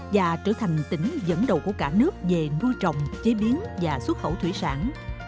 và trở thành tỉnh dẫn đầu của cả nước về nuôi trồng chế biến và xuất khẩu thủy sản